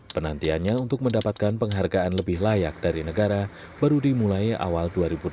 penantiannya untuk mendapatkan penghargaan lebih layak dari negara baru dimulai awal dua ribu delapan belas